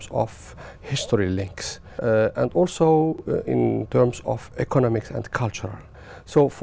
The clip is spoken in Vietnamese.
và chiến binh này đã xảy ra với quân đội pháp